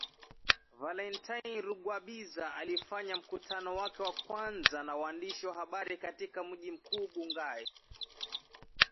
Valentine Rugwabiza alifanya mkutano wake wa kwanza na waandishi wa habari katika mji mkuu Bangui .